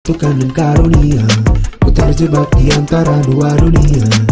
tukang dan karunia ku terjebak di antara dua dunia